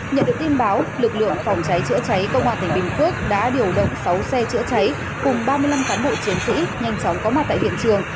nhận được tin báo lực lượng phòng cháy chữa cháy công an tỉnh bình phước đã điều động sáu xe chữa cháy cùng ba mươi năm cán bộ chiến sĩ nhanh chóng có mặt tại hiện trường